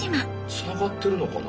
つながってるのかな？